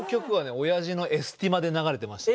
おやじがエスティマで流してた。